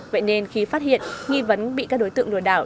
vậy nên khi phát hiện nghi vấn bị các đối tượng lừa đảo